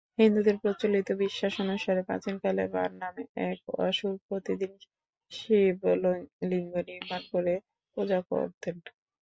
হিন্দুদের প্রচলিত বিশ্বাস অনুসারে, প্রাচীনকালে বাণ নামে এক অসুর প্রতিদিন শিবলিঙ্গ নির্মাণ করে পূজা করতেন।